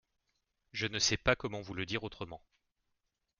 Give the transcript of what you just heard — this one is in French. Je ne sais pas comment vous le dire autrement.